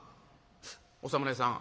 「お侍さん